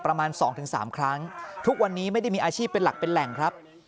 ประมาณ๒๓ครั้งทุกวันนี้ไม่ได้มีอาชีพเป็นหลักเป็นแหล่งครับ